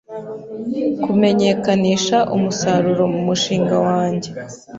kumenyekanisha umusaruro mu mushinga wanjye